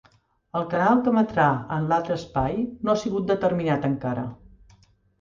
El canal que emetrà en l'altre espai no ha sigut determinat encara.